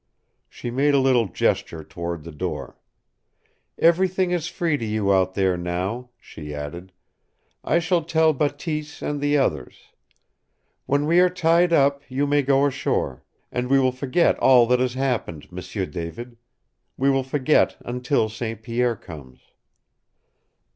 She made a little gesture toward the door. "Everything is free to you out there now," she added. "I shall tell Bateese and the others. When we are tied up, you may go ashore. And we will forget all that has happened, M'sieu David. We will forget until St. Pierre comes."